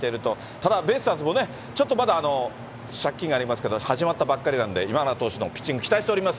ただ、ベイスターズもね、ちょっとまだ借金がありますけど、始まったばっかりなんで、今永投手のピッチング、期待しておりま